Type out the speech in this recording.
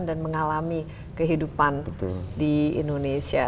dan mengalami kehidupan di indonesia